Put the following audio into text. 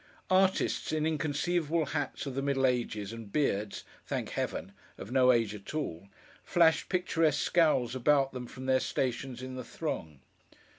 Artists, in inconceivable hats of the middle ages, and beards (thank Heaven!) of no age at all, flashed picturesque scowls about them from their stations in the throng.